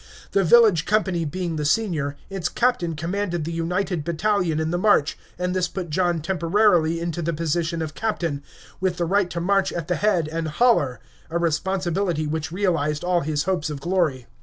The village company being the senior, its captain commanded the united battalion in the march, and this put John temporarily into the position of captain, with the right to march at the head and "holler;" a responsibility which realized all his hopes of glory.